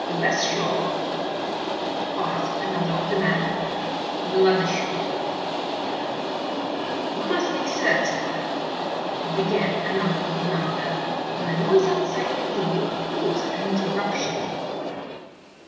"That's sure?" asked another of the men. "Bloody sure." "We must make certain " began another of the number, when a noise outside of the door caused an interruption.